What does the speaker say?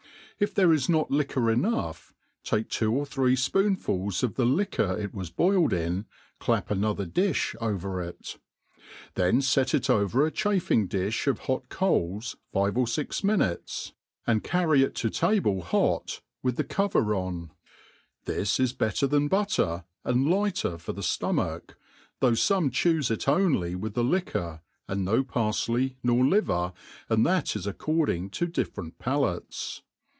If there is not liquor enough, take two or three fpoonfuls of the liquor it lyas boiled in, clap another difli over it ; then fet it over a chafing * diih of hot coals five or fix minutes, and carry it to table hot with MADE PLAIN AND EASY. 241 i^ith the covit dn. This is better thin butter, and lighter for theftofidacb, though fomechufe it only with the liquor, and up parfley, nor liver,' and that is according to different palates.